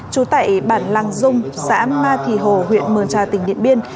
chú tại bản lăng dung xã ma thị hồ huyện mường trà tỉnh điện biên